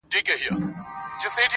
• ډېر بېحده ورته ګران وو نازولی -